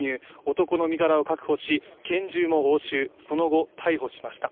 男の身柄を確保し拳銃も押収、その後、逮捕しました。